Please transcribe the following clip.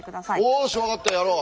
おし分かったやろう。